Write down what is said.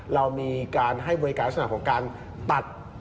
เรามีการให้บริการลักษณะของการตัด